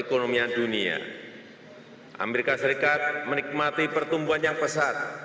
ketika perkembangan dunia amerika serikat menikmati pertumbuhan yang besar